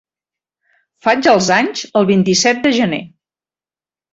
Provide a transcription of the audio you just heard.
Faig els anys el vint-i-set de gener.